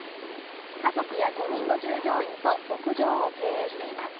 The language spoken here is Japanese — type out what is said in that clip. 家族や５人の従業員と牧場を経営しています。